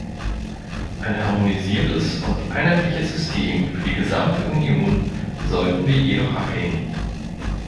Ein harmonisiertes und einheitliches System für die gesamte Union sollten wir jedoch ablehnen.